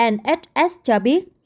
nhs cho biết